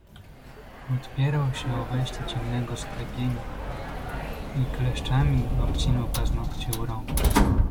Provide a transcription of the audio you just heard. "Podpierał się o wejście ciemnego sklepienia, i kleszczami obcinał paznokcie u rąk."